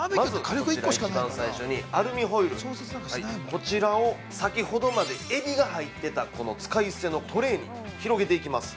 こちらを先ほどまでエビが入ってたこの使い捨てのトレイに広げていきます。